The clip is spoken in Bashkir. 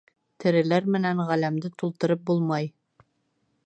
Тереләр менән ғаләмде тултырып булмай.